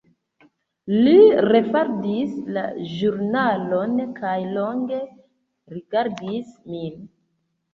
Li refaldis la ĵurnalon kaj longe rigardis min.